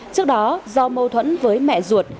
trước đó do mâu thuẫn với mẹ ruột